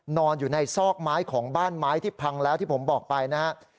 นอนอยู่ในซอกไม้ของบ้านไม้ที่พังแล้วที่ผมบอกไปนะครับ